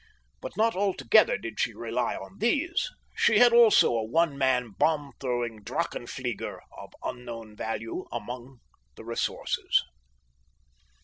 But not altogether did she rely on these; she had also a one man bomb throwing Drachenflieger of unknown value among the resources.